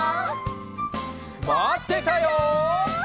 まってたよ！